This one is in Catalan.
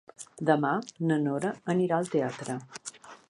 Demà na Nora anirà al teatre.